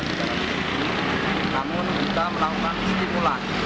namun kita melakukan stimulan